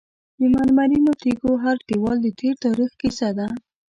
د مرمرینو تیږو هر دیوال د تیر تاریخ کیسه ده.